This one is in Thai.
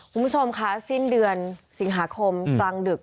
คุณผู้ชมคะสิ้นเดือนสิงหาคมกลางดึก